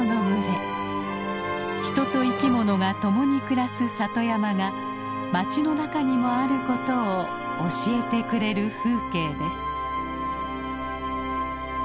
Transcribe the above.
人と生き物が共に暮らす里山が町の中にもあることを教えてくれる風景です。